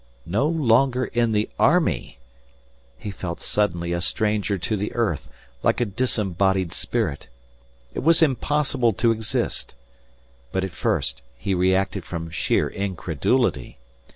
No longer in the army! He felt suddenly a stranger to the earth like a disembodied spirit. It was impossible to exist. But at first he reacted from sheer incredulity.